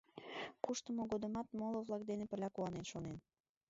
Куштымо годымат моло-влак дене пырля куанен шонен.